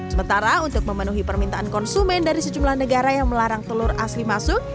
sementara untuk memenuhi permintaan konsumen dari sejumlah negara yang melarang telur asli masuk